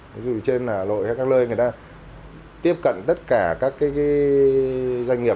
ví dụ như trên hà nội hay các nơi người ta tiếp cận tất cả các cái doanh nghiệp